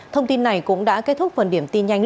thông tin này cũng đã kết thúc phần điểm tin nhanh